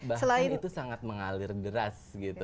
bahkan itu sangat mengalir deras gitu